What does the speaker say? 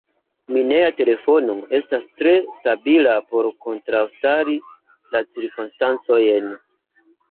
Mineja telefono: estas tre stabila por kontraŭstari la cirkonstancojn.